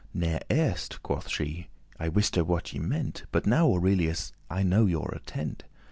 Ne'er erst,"* quoth she, "I wiste what ye meant: *before But now, Aurelius, I know your intent.